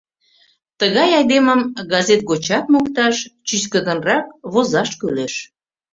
Тыгай айдемым газет гочат мокташ, чӱчкыдынрак возаш кӱлеш.